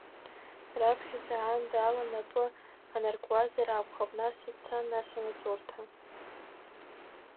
Раԥхьаӡа аанда ала напы анаркуазар акәхап, нас аца, нас амаҵурҭа…